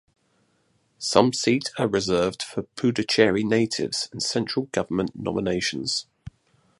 Some seat are reserved for Puducherry natives and Central Government nominations.